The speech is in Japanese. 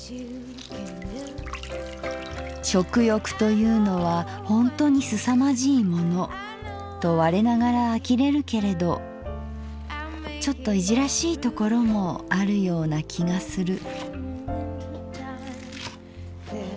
「食欲というのはほんとにすさまじいものと我ながら呆れるけれどちょっといじらしいところもあるような気がする」。